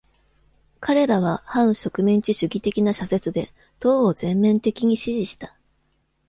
彼らは反植民地主義的な社説で党を全面的に支持した。